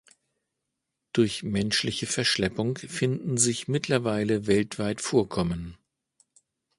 Durch menschliche Verschleppung finden sich mittlerweile weltweit Vorkommen.